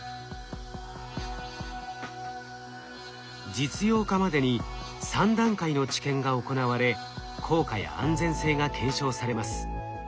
実用化までに３段階の治験が行われ効果や安全性が検証されます。